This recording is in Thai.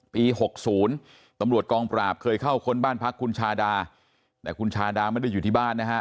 ๖๐ตำรวจกองปราบเคยเข้าค้นบ้านพักคุณชาดาแต่คุณชาดาไม่ได้อยู่ที่บ้านนะฮะ